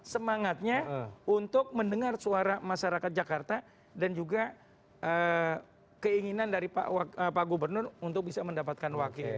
semangatnya untuk mendengar suara masyarakat jakarta dan juga keinginan dari pak gubernur untuk bisa mendapatkan wakil